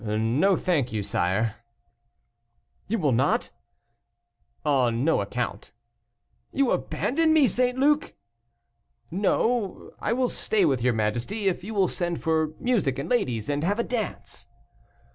"No, thank you, sire." "You will not?" "On no account." "You abandon me, St. Luc!" "No, I will stay with your majesty, if you will send for music and ladies, and have a dance."